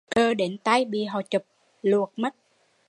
Cờ đến tay bị họ chụp, luột mất